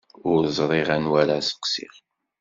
Ur ẓriɣ anwa ara sseqsiɣ.